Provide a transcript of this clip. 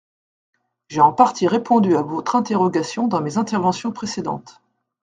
J’ai en partie répondu à votre interrogation dans mes interventions précédentes.